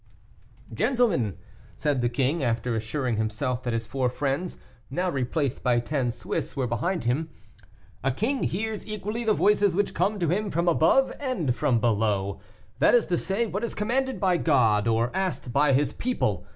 "Gentlemen," said the king, after assuring himself that his four friends, now replaced by ten Swiss, were behind him, "a king hears equally the voices which come to him from above and from below, that is to say, what is commanded by God, or asked by his people.